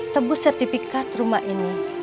tebus sertifikat rumah ini